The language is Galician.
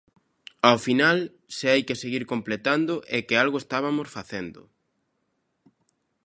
Ao final, se hai que seguir completando é que algo estabamos facendo.